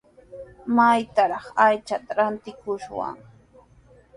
¿Maytrawraq aychata rantikushwan?